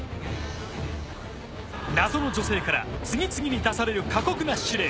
謎の女性から次々に出される過酷な指令。